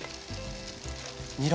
にら。